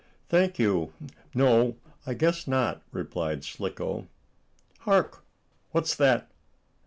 "Thank you, no. I guess not," replied Slicko. "Hark! What's that?"